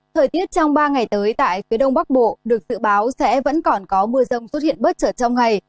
thời tiết trong ba ngày tới tại phía đông bắc bộ được dự báo sẽ vẫn còn có mưa rông xuất hiện bất chợt trong ngày